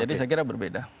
jadi saya kira berbeda